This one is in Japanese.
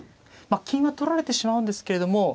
金は取られてしまうんですけれども。